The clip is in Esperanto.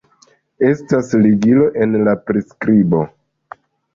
Estas ligilo en la priskribo